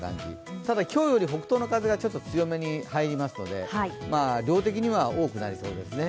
ただ、今日より北東の風がちょっと強めに入りますので、量的には多くなりそうですね。